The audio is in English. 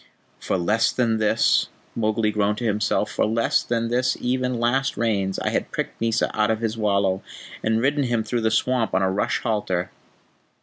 "For less than this," Mowgli groaned to himself, "for less than this even last Rains I had pricked Mysa out of his wallow, and ridden him through the swamp on a rush halter."